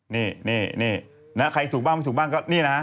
นี่นะใครถูกบ้างไม่ถูกบ้างก็นี่นะ